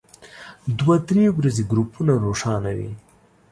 دوه درې ورځې ګروپونه روښانه وي.